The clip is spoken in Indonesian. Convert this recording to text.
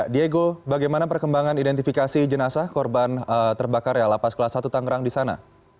diego bagaimana perkembangan identifikasi jenazah korban terbakar lapas kelas satu tangerang disana